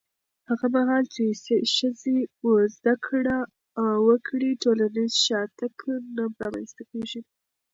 هغه مهال چې ښځې زده کړه وکړي، ټولنیز شاتګ نه رامنځته کېږي.